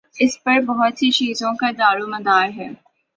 اس پر بہت سی چیزوں کا دارومدار ہے۔